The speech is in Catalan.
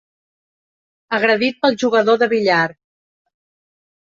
Agredit pel jugador de billar.